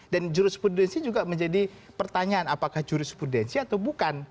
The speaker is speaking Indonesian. dan jurisprudensi juga menjadi pertanyaan apakah jurisprudensi atau bukan